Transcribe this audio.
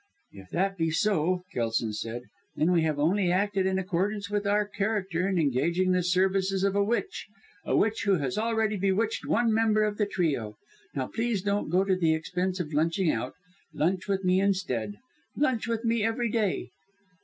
"If that be so," Kelson said, "then we have only acted in accordance with our character in engaging the services of a witch a witch who has already bewitched one member of the trio. Now please don't go to the expense of lunching out: lunch with me instead. Lunch with me every day."